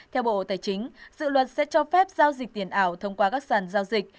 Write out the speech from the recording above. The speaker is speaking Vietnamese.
theo bộ tài chính dự luật sẽ cho phép giao dịch tiền ảo thông qua các sàn giao dịch